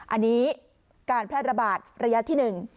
อันนี้การแพร่ระบาดระยะที่๑